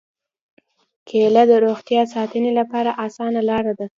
کېله د روغتیا ساتنې لپاره اسانه لاره ده.